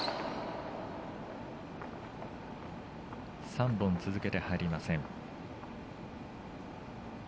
３本続けて入りません。